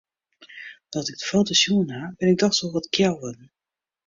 No't ik de foto's sjoen ha, bin ik dochs wol wat kjel wurden.